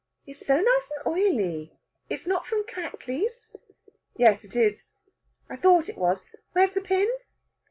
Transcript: "It's so nice and oily. It's not from Cattley's?" "Yes, it is." "I thought it was. Where's the pin?"